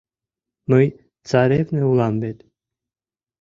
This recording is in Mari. Мый царевне улам вет».